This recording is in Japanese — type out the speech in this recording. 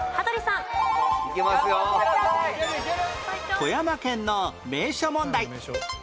富山県の名所問題